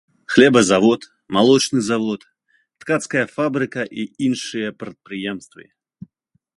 Хлебазавод, малочны завод, ткацкая фабрыка і іншыя прадпрыемствы.